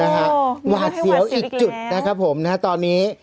หวาดเสียวอีกจุดนะครับผมนะฮะตอนนี้